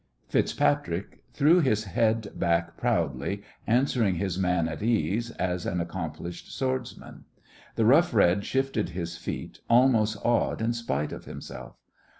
FitzPatrick threw his head back proudly, answering his man at ease, as an accomplished swordsman. The Rough Red shifted his feet, almost awed in spite of himself.